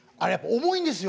重いんですよ。